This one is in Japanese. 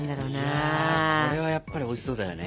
いやこれはやっぱりおいしそうだよね。